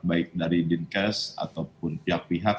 baik dari dinkes ataupun pihak pihak